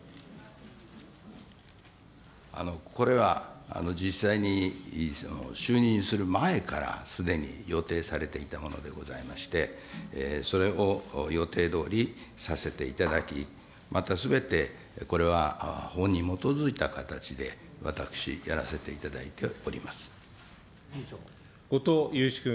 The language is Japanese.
これは実際に就任する前からすでに予定されていたものでございまして、それを予定どおりさせていただき、またすべてこれは法に基づいた形で、私、後藤祐一君。